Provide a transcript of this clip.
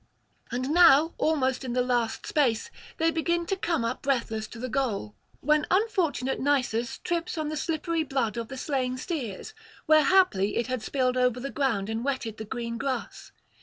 And now almost in the last space, they began to come up breathless to the goal, when unfortunate Nisus trips on the slippery blood of the slain steers, where haply it had spilled over the ground and wetted the green grass.